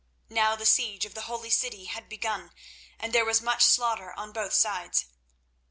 Now the siege of the holy city had begun, and there was much slaughter on both sides.